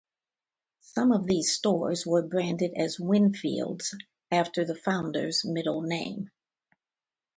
Some of these stores were branded as Winfields, after the founder's middle name.